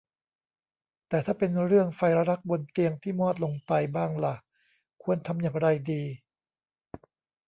แต่ถ้าเป็นเรื่องไฟรักบนเตียงที่มอดลงไปบ้างล่ะ ควรทำอย่างไรดี